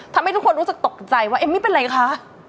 ทำให้ทุกคนรู้สึกตกใจว่าเอ๊ไม่เป็นไรคะ